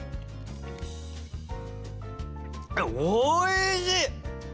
おいしい！